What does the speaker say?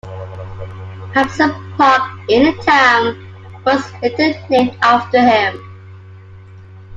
Hampson Park in the town was later named after him.